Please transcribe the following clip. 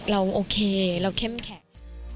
เราโอเคเราเข้มแข็ง